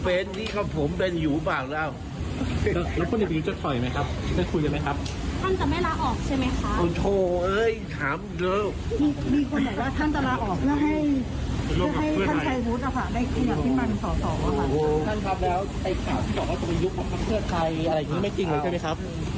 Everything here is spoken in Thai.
เพื่อใครอะไรอย่างนี้ไม่จริงเลยใช่ไหมครับ